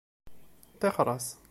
Ṭixer-as.